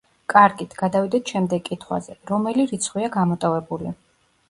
კარგით, გადავიდეთ შემდეგ კითხვაზე: რომელი რიცხვია გამოტოვებული?